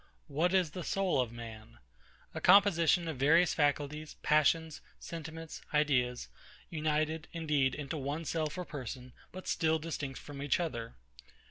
What is the soul of man? A composition of various faculties, passions, sentiments, ideas; united, indeed, into one self or person, but still distinct from each other.